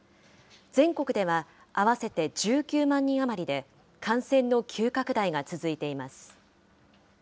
全国では、合わせて１９万人余りで、感染の急拡大が続いています。